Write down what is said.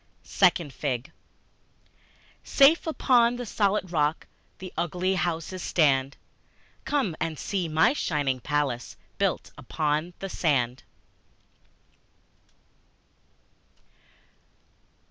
Second Fig SAFE upon the solid rock the ugly houses stand: Come and see my shining palace built upon the sand!